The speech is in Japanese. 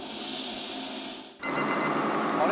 あれ？